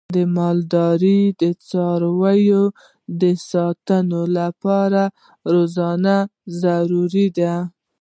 د مالدارۍ د څارویو د ساتنې لپاره روزنه ضروري ده.